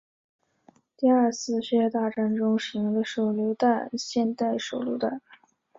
第二次世界大战中使用的手榴弹现代手榴弹